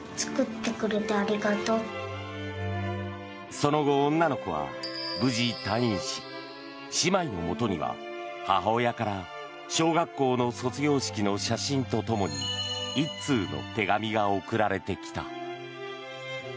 その後、女の子は無事退院し姉妹のもとには母親から小学校の卒業式の写真とともに１通の手紙が送られてきた。